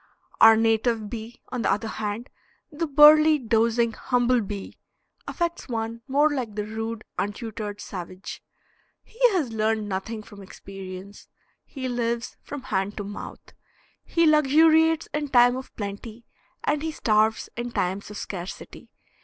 Our native bee, on the other hand, "the burly, dozing humble bee," affects one more like the rude, untutored savage. He has learned nothing from experience. He lives from hand to mouth. He luxuriates in time of plenty, and he starves in times of scarcity.